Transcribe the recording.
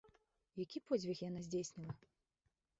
Які подзвіг яна здзейсніла?